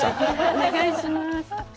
お願いします。